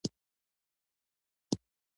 کله به چې خُمرې له بېړۍ تخلیه کېدلې